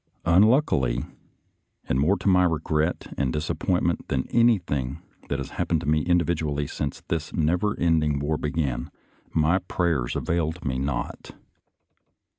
Unluckily, and more to my regret and disappointment than anything that has happened to me individually since this never ending war began, my prayers availed me A FLIGHT TO ARMS 215 not.